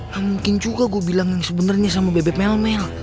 ya mungkin juga gue bilang yang sebenarnya sama bebek melmel